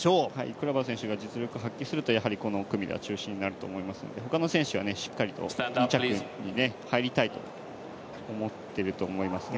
クラバー選手が実力を発揮してくると、この組の中心になってくるのでほかの選手はしっかりと２着に入りたいと思っていると思いますね。